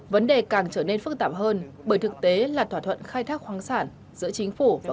vấn đề càng trở nên phức tạp hơn bởi thực tế là thỏa thuận khai thác khoáng sản giữa chính phủ và